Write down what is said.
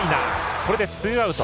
これでツーアウト。